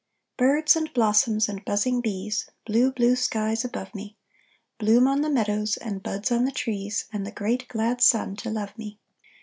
"Birds, and blossoms, and buzzing bees, Blue, blue skies above me, Bloom on the meadows and buds on the trees, And the great glad sun to love me."